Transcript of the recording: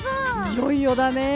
いよいよだね。